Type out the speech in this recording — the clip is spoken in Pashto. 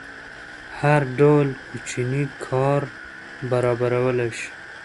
هر ډول کوچنی کار برابرولی شي.